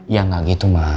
ya gak gitu ma